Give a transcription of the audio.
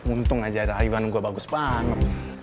untung aja ada aiban gue bagus banget